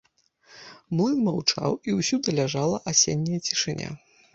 Млын маўчаў, і ўсюды ляжала асенняя цішыня.